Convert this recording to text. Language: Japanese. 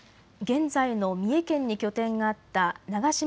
現在の三重県に拠点があった長島